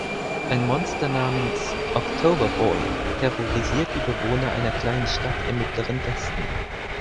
Ein Monster namens October Boy terrorisiert die Bewohner einer kleinen Stadt im Mittleren Westen.